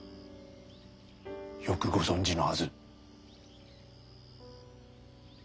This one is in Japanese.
よくご存じのはず。